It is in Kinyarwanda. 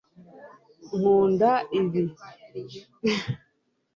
nkunda ibi